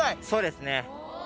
そうですね。